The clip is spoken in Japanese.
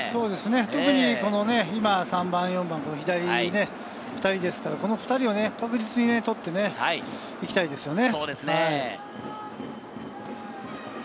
特に今、３番４番、左の２人ですから、この２人を確実に取っていきたいですよね。